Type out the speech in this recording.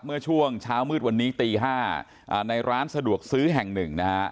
เมื่อช่วงเช้ามืดวันนี้ตี๕ในร้านสะดวกซื้อแห่งหนึ่งนะฮะ